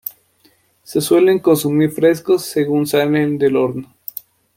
Se suelen consumir frescos, según salen del horno.